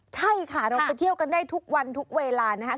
ใช่ค่ะเราไปเที่ยวกันได้ทุกวันทุกเวลานะครับ